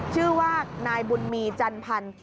ชื่อว่านายบุญมีร์จันทรรภัณฑ์